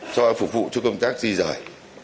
cho phục vụ cho công tác di rời